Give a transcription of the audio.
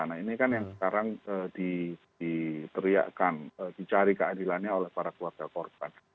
nah ini kan yang sekarang diteriakan dicari keadilannya oleh para keluarga korban